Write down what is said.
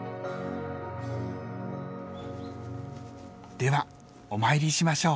ではお参りしましょう。